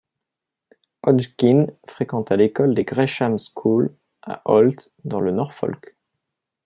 Hodgkin fréquenta l’école de Gresham's School à Holt dans le Norfolk.